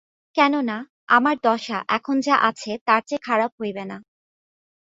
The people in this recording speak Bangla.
কেননা, আমার দশা এখন যা আছে তার চেয়ে খারাপ হইবে না।